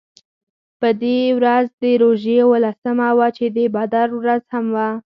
په دې ورځ د روژې اوولسمه وه چې د بدر ورځ هم وه.